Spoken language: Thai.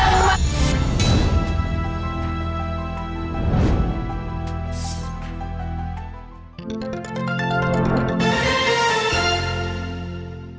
เร็วเว้ยเร็วเว้ย